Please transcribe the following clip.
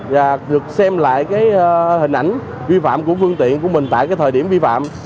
và được xem lại hình ảnh vi phạm của phương tiện của mình tại thời điểm vi phạm